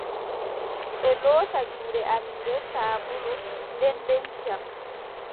Ɓe loota juuɗe amin bee saabulu, nden be ndiyam!